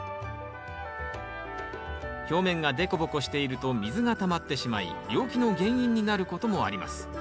表面がデコボコしていると水がたまってしまい病気の原因になることもあります。